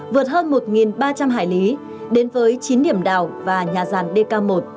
vượt hơn một ba trăm linh hải lý đến với chín điểm đảo và nhà ràn dk một